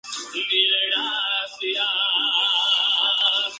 Un saxofonista sinfónico fue contratado para interpretar esa parte.